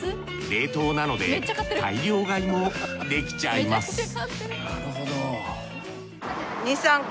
冷凍なので大量買いもできちゃいます